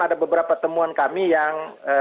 ada beberapa temuan kami yang